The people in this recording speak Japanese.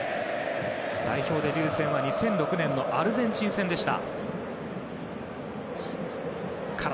代表デビュー戦は２００６年のアルゼンチン戦でした。